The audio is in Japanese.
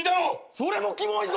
それもキモいぞ！